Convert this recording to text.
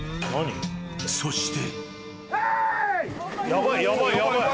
［そして］